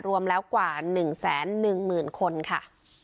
รวมแล้วกว่าหนึ่งแสนหนึ่งหมื่นคนค่ะ